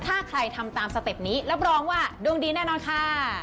ถ้าใครทำตามสเต็ปนี้รับรองว่าดวงดีแน่นอนค่ะ